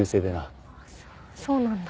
そうなんだ。